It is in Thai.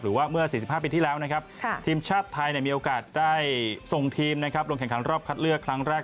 หรือว่าเมื่อ๔๕ปีที่แล้วทีมชาติไทยมีโอกาสได้ส่งทีมลงแข่งขันรอบคัดเลือกครั้งแรก